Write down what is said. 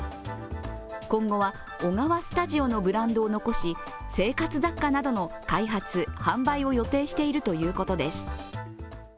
今後は、オガワスタジオのブランドを残し生活雑貨などの開発・販売を予定しているということです。